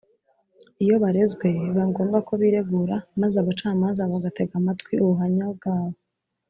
iyo barezwe biba ngombwa ko biregura, maze abacamanza bagatega amatwi ubuhamya bwabo